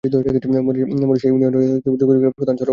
মীরসরাই ইউনিয়নে যোগাযোগের প্রধান সড়ক ঢাকা-চট্টগ্রাম মহাসড়ক।